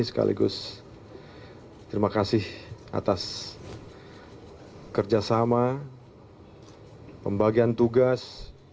sekaligus terima kasih atas kerjasama pembagian tugas